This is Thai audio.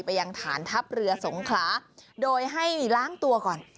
ไปยังฐานทัพเรือสงขลาโดยให้ล้างตัวก่อน